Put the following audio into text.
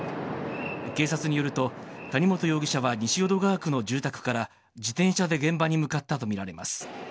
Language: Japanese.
警察によると、谷本容疑者は西淀川区の住宅から自転車で現場に向かったとみられます。